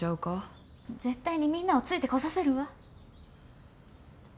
絶対にみんなをついてこさせるわ。